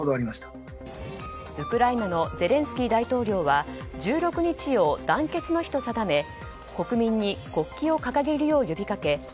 ウクライナのゼレンスキー大統領は１６日を団結の日と定め国民に国旗を掲げるよう呼びかけ